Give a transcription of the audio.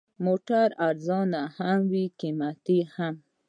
موټر ارزانه هم وي، قیمتي هم.